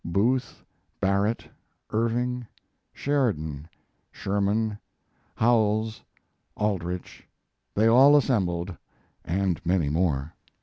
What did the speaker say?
Booth, Barrett, Irving, Sheridan, Sherman, Howells, Aldrich: they all assembled, and many more.